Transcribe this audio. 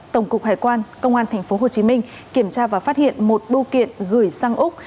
tổng cục hải quan công an tp hcm kiểm tra và phát hiện một bưu kiện gửi sang úc